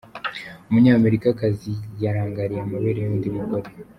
Umunyamerika kazi yarangariye amabere y’undi mugore